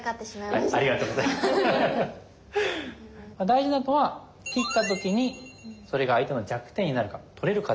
大事なのは切った時にそれが相手の弱点になるか。